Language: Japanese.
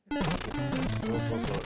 そうそうそう。